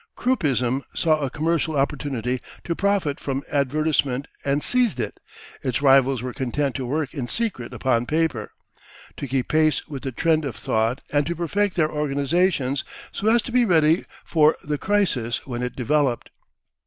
Kruppism saw a commercial opportunity to profit from advertisement and seized it: its rivals were content to work in secret upon paper, to keep pace with the trend of thought, and to perfect their organisations so as to be ready for the crisis when it developed.